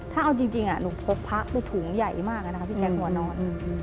ถ้าเอาจริงหนูพกพระไปถุงใหญ่มากนะคะพี่แจ๊คหัวนอน